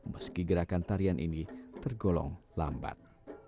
meski gerakan tarian ini tergolong lambat